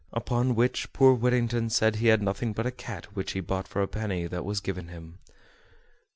Upon which poor Whittington said he had nothing but a cat which he bought for a penny that was given him.